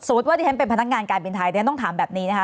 ว่าที่ฉันเป็นพนักงานการบินไทยเรียนต้องถามแบบนี้นะคะ